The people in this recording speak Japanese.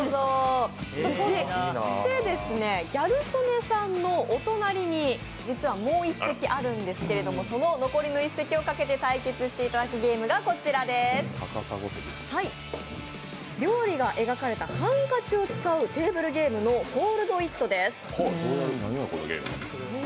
ギャル曽根さんのお隣に実はもう一席あるんですけれども、その残りの一席をかけて対決していただくゲームがこちら料理が描かれたハンカチを使うテーブルゲームの「Ｆｏｌｄ−ｉｔ」です。